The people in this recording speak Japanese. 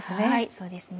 そうですね。